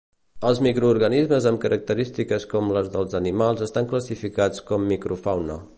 Els microorganismes amb característiques com les dels animals estan classificats com microfauna.